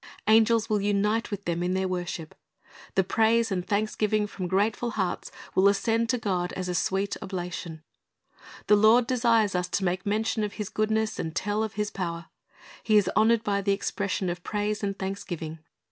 Angels will unite with them in their worship. The praise and thanksgiving from crrateful hearts will ascend to God as a sweet oblation. The Lord desires us to make mention of His goodness and tell of His power. He is honored by the expression of praise and thanksgiving.